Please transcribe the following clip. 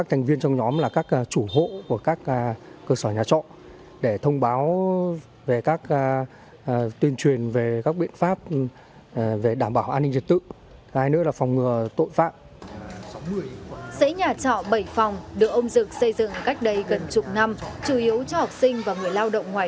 hiện nay các quy định của pháp luật về đảm bảo an ninh trật tự an toàn phòng cháy chữa cháy